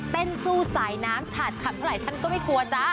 สู้สายน้ำฉาดฉัดเท่าไหร่ท่านก็ไม่กลัวจ้า